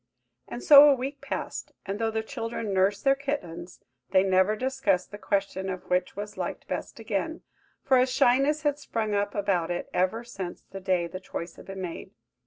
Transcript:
And so a week passed; and though the children nursed their kittens, they never discussed the question of which was liked best again, for a shyness had sprung up about it ever since the day the choice had been made.